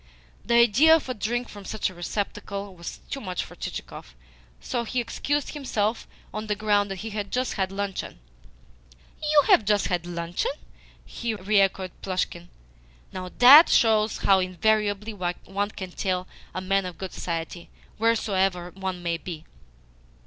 The idea of a drink from such a receptacle was too much for Chichikov, so he excused himself on the ground that he had just had luncheon. "You have just had luncheon?" re echoed Plushkin. "Now, THAT shows how invariably one can tell a man of good society, wheresoever one may be.